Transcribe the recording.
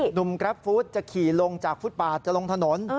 กราฟฟู้ดจะขี่ลงจากฟุตปาดจะลงถนน